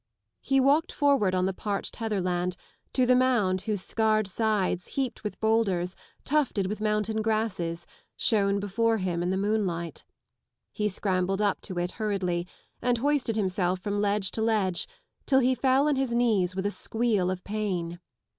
Re walked forward on the parched heatherland to the mound whose scarred 106 sides, heaped with boulders, totted wHh mountain grasses, shone before him In th* moonlight. He scrambled up to H hurriedly and Hoisted himself from ledge to ledge till he fell on his knees with a squeal of pain.